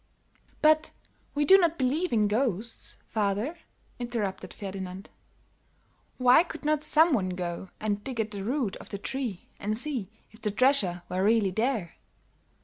"But we don't believe in ghosts, father," interrupted Ferdinand. "Why could not some one go and dig at the root of the tree and see if the treasure were really there?"